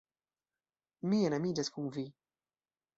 Mi enamiĝas kun vi!